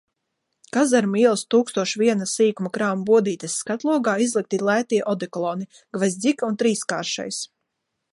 Kazarmu ielas tūkstoš viena sīkuma krāmu bodītes skatlogā izlikti lētie odekoloni, "Gvozģika" un "Trīskāršais".